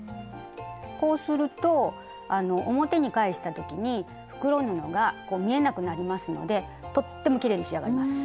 こうすると表に返した時に袋布が見えなくなりますのでとってもきれいに仕上がります。